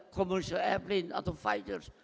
komersial airplane atau fighter